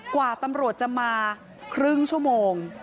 กว่าตำรวจจะมาครึ่งชั่วโมง